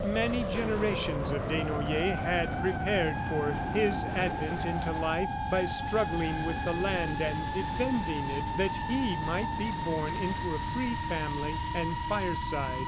Many generations of Desnoyers had prepared for his advent into life by struggling with the land and defending it that he might be born into a free family and fireside.